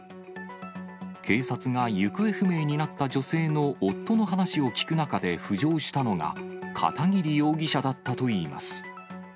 警察が行方不明になった女性の夫の話を聴く中で浮上したのが、片桐容疑者だったといいます。